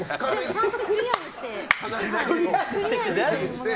ちゃんとクリアにして。